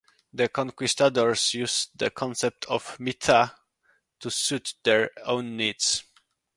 The conquistadors used the concept of "mit'a" to suit their own needs.